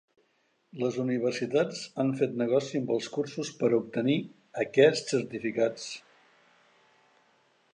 Les universitats han fet negoci amb els cursos per a obtenir aquests certificats.